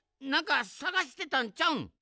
なんかさがしてたんちゃうん？